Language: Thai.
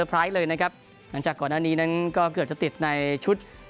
ซาปรายด์เลยนะครับจากก่อนหน้านี้นั้นก็เกิดจะติดในชุดแบบ